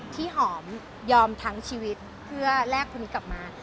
ที่หอมยอมทั้งชีวิตเพื่อแลกคนนี้กลับมา